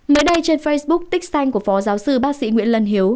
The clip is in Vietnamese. mới đây trên facebook tích xanh của phó giáo sư bác sĩ nguyễn lân hiếu